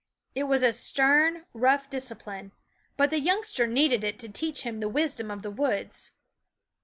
It was stern, rough discipline ; but the youngster needed it to teach him the wis dom of the woods.